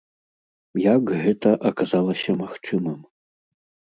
Як гэта аказалася магчымым?